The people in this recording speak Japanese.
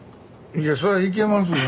いやそりゃいけますよ